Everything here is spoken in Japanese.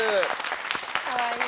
かわいい。